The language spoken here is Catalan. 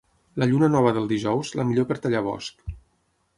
La lluna nova del dijous, la millor per tallar bosc.